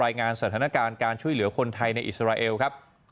รายงานสถานการณ์การช่วยเหลือคนไทยในอิสราเอลครับ